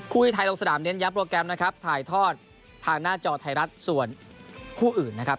ที่ไทยลงสนามเน้นย้ำโปรแกรมนะครับถ่ายทอดทางหน้าจอไทยรัฐส่วนคู่อื่นนะครับ